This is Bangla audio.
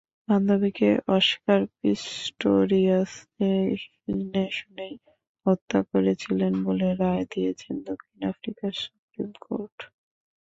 বান্ধবীকে অস্কার পিস্টোরিয়াস জেনেশুনেই হত্যা করেছিলেন বলে রায় দিয়েছেন দক্ষিণ আফ্রিকার সুপ্রিম কোর্ট।